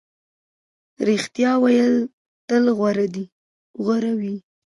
رښتیا ویل تل غوره وي.